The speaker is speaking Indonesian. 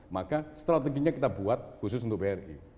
maka strateginya kita buat khusus untuk bri